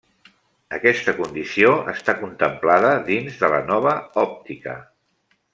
Aquesta condició està contemplada dins de la nova òptica.